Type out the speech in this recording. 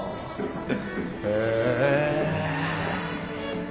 へえ。